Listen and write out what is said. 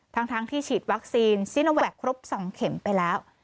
ทั้งที่ฉีดวัคซีนซีโนแวคครบ๒เข็มไปแล้ว